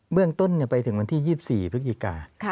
เรื่องต้นไปถึงวันที่๒๔พฤศจิกา